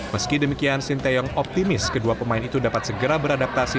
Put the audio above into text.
meski demikian sinteyong optimis kedua pemain itu dapat segera beradaptasi